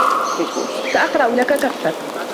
سأقرأ لكِ كفّكِ.